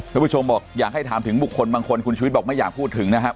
ทุกผู้ชมบอกอยากให้ถามถึงบุคคลบางคนคุณชุวิตบอกไม่อยากพูดถึงนะครับ